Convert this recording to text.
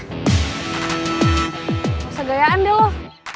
nggak usah gayaan deh loh